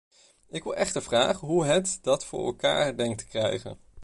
Ik wil echter vragen hoe het dat voor elkaar denkt te krijgen.